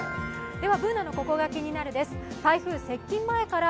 Ｂｏｏｎａの「ココがキニナル」です。